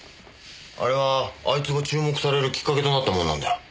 あれはあいつが注目されるきっかけとなったものなんだよ。